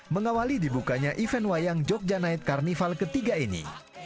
mengawali dibukanya event wayang jogja night carnival ketiga ini